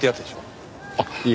あっいえ